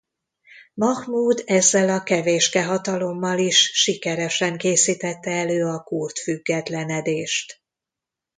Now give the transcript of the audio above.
Mahmud ezzel a kevéske hatalommal is sikeresen készítette elő a kurd függetlenedést.